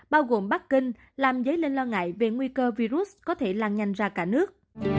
bao gồm bắc kinh làm dấy lên lo ngại về nguy cơ virus có thể lan nhanh ra cả nước